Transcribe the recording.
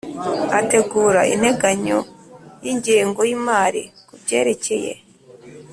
Ategura integanyo y ingengo y imari ku byerekeye